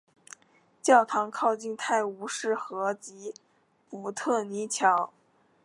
教堂靠近泰晤士河及普特尼桥。